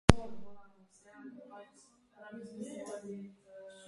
Kam greš?